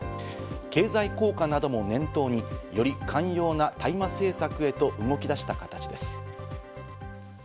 経済効果なども念頭に、より寛容な大麻政策へと動き出した形です。